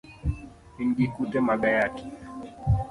In gi kute mag ayaki.